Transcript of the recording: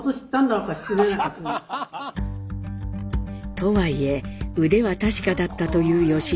とはいえ腕は確かだったという吉春。